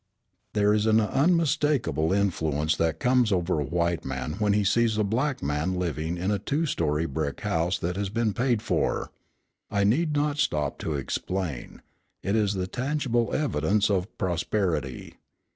There is an unmistakable influence that comes over a white man when he sees a black man living in a two story brick house that has been paid for. I need not stop to explain. It is the tangible evidence of prosperity.